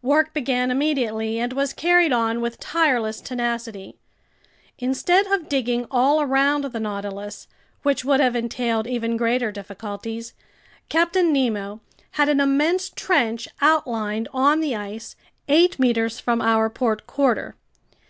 Work began immediately and was carried on with tireless tenacity. Instead of digging all around the Nautilus, which would have entailed even greater difficulties, Captain Nemo had an immense trench outlined on the ice, eight meters from our port quarter.